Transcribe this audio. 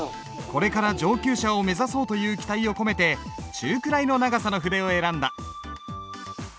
これから上級者を目指そうという期待を込めて中くらいの長さの筆を選んだ。